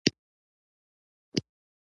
کیمیا د مادې له دایمي تغیراتو څخه بحث کوي.